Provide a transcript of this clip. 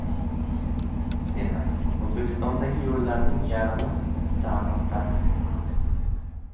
Senat: "O‘zbekistondagi yo‘llarning yarmi ta’mirtalab..."